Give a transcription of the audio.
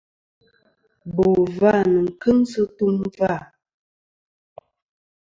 Bò vâ nɨn kɨŋ sɨ tum vâ.